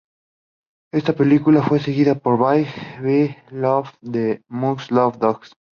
Esta película fue seguida por Bye Bye Love y de "Must love dogs".